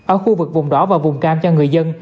ở khu vực vùng đỏ và vùng cam